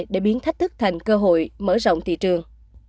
để biến thách thức thành cơ hội mở rộng thị trường